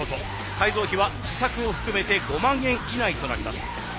改造費は試作を含めて５万円以内となります。